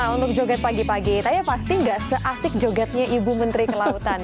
untuk joget pagi pagi tapi pasti gak seasik jogetnya ibu menteri kelautan